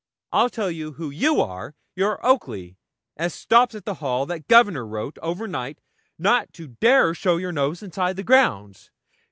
'I'll tell you who you are you're Oakley, as stops at the Hall, that Governor wrote, over night, not to dare show your nose inside the grounds.